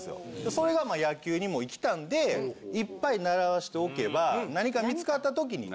それが野球にも生きたんでいっぱい習わしておけば何か見つかったときに。